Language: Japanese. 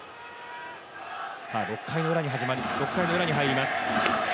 ６回のウラに入ります。